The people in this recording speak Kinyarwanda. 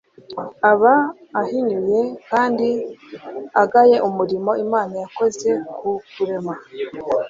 aba ahinyuye kandi agaye umurimo imana yakoze wo kurema